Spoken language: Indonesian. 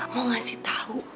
mau ngasih tau